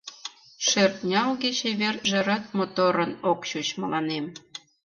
Шӧртнялге чевер ӱжарат Моторын ок чуч мыланем.